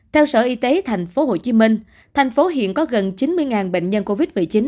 theo sở y tế tp hcm tp hcm hiện có gần chín mươi bệnh nhân covid một mươi chín